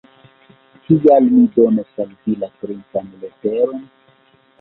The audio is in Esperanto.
Kial mi donos al vi la princan leteron?